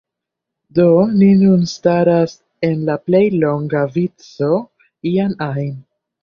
Do, ni nun staras en la plej longa vico iam ajn